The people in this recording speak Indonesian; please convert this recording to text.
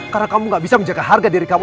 karena kamu gak bisa menjaga harga diri kamu